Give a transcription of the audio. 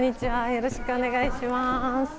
よろしくお願いします。